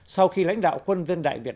sau khi lãnh đạo quân dân đại việt